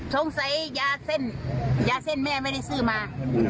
ยาเส้นยาเส้นแม่ไม่ได้ซื้อมา